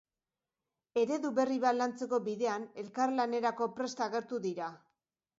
Eredu berri bat lantzeko bidean, elkarlanerako prest agertu dira.